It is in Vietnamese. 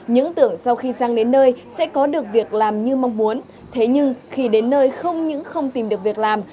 những tưởng sau khi sang đến nơi sẽ có được việc làm như mong muốn thế nhưng khi đến nơi không những không tìm được việc làm